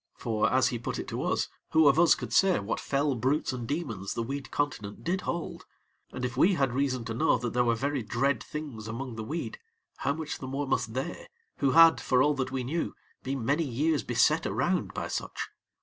For, as he put it to us, who of us could say what fell brutes and demons the weed continent did hold, and if we had reason to know that there were very dread things among the weed, how much the more must they, who had, for all that we knew, been many years beset around by such.